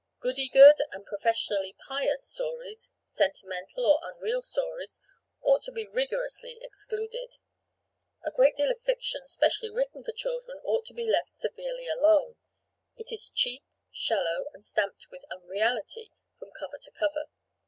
Goody good and professionally "pious" stories, sentimental or unreal stories, ought to be rigorously excluded. A great deal of fiction specially written for children ought to be left severely alone; it is cheap, shallow and stamped with unreality from cover to cover.